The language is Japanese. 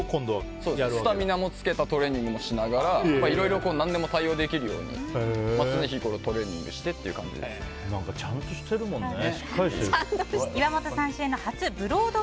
スタミナもつけたトレーニングもしながらいろいろ何でも対応できるように常日頃トレーニングしてちゃんとしてるもんね。